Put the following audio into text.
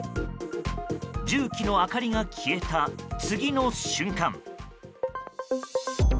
重機の明かりが消えた次の瞬間。